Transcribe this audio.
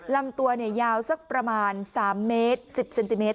ลำตัวยาวสักประมาณ๓เมตร๑๐เซนติเมตร